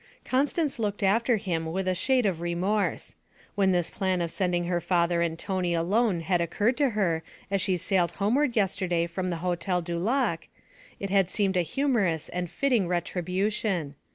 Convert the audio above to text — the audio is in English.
Constance looked after him with a shade of remorse. When this plan of sending her father and Tony alone had occurred to her as she sailed homeward yesterday from the Hotel du Lac, it had seemed a humorous and fitting retribution.